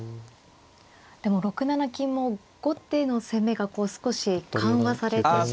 でも６七金も後手の攻めが少し緩和されてしまいそうで。